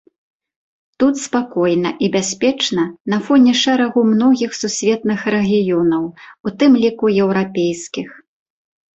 Тут спакойна і бяспечна на фоне шэрагу многіх сусветных рэгіёнаў, у тым ліку еўрапейскіх.